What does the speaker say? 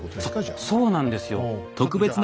そうなんですよ。